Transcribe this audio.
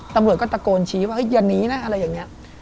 ตำรวจก็ตะโกนชี้ว่าอย่าหนีนะอะไรอย่างนี้